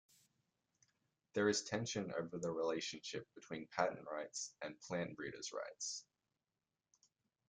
There is tension over the relationship between patent rights and plant breeder's rights.